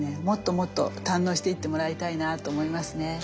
もっともっと堪能していってもらいたいなと思いますね。